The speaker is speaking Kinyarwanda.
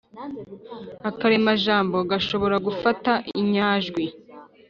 akaremajambo gashobora gufata inyajwi